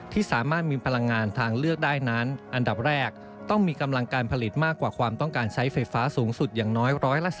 ที่สามารถมีพลังงานทางเลือกได้นั้นอันดับแรกต้องมีกำลังการผลิตมากกว่าความต้องการใช้ไฟฟ้าสูงสุดอย่างน้อย๑๔